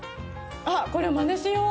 これまねしよう。